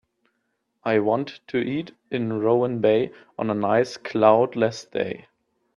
I want to eat in Rowan Bay on a nice cloud less day